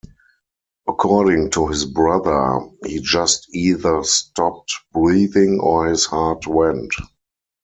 According to his brother, "he just either stopped breathing or his heart went".